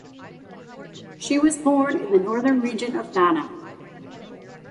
She was born in the Northern Region of Ghana.